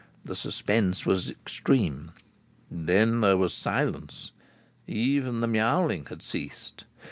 The suspense was extreme. Then there was silence; even the myowling had ceased.